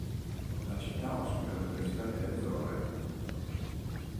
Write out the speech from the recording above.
La città ospita l'università delle Azzorre.